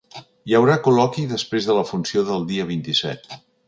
Hi haurà col·loqui després de la funció del dia vint-i-set.